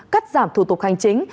cắt giảm thủ tục hành chính